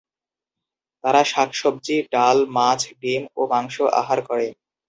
তারা শাকসবজি, ডাল, মাছ, ডিম ও মাংস আহার করে।